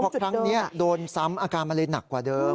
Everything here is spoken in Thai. เพราะครั้งนี้โดนซ้ำอาการมันเลยหนักกว่าเดิม